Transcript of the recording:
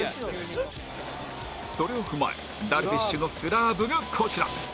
それを踏まえダルビッシュのスラーブがこちら